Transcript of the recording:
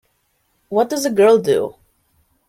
What Does A Girl Do?